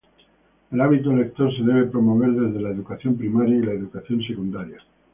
El hábito lector se debe promover desde la educación primaria y la educación secundaria.